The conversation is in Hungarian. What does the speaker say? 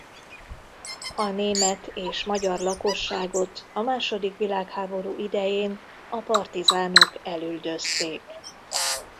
A német és magyar lakosságot a második világháború idején a partizánok elüldözték.